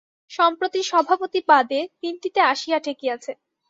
সম্প্রতি সভাপতি বাদে তিনটিতে আসিয়া ঠেকিয়াছে।